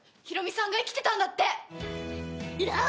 ヒロミさんが生きてたんだって！